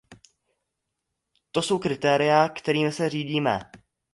To jsou kritéria, kterými se řídíme.